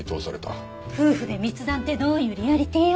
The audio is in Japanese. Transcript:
夫婦で密談ってどういうリアリティーよ。